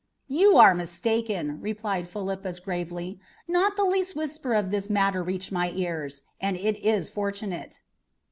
"You are mistaken," replied Philippus gravely. "Not the least whisper of this matter reached my ears, and it is fortunate."